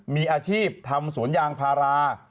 มีอาชีพทำสวนยางพารา